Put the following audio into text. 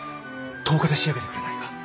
１０日で仕上げてくれないか？